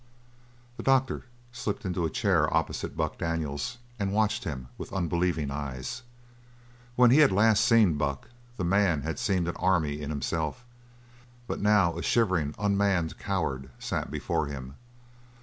The doctor slipped into a chair opposite Buck Daniels and watched him with unbelieving eyes. When he had last seen Buck the man had seemed an army in himself; but now a shivering, unmanned coward sat before him.